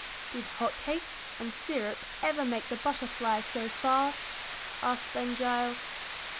Did hot cakes and syrup ever make the butter fly so fast?" asked Ben Gile.